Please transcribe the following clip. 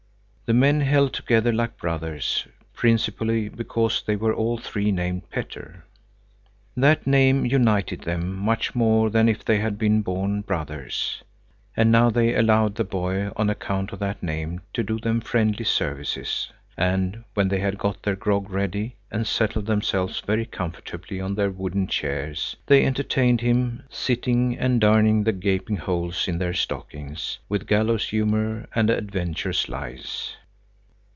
The men held together like brothers, principally because they were all three named Petter. That name united them much more than if they bad been born brothers. And now they allowed the boy on account of that name to do them friendly services, and when they had got their grog ready and settled themselves comfortably on their wooden chairs, they entertained him, sitting and darning the gaping holes in their stockings, with gallows humor and adventurous lies.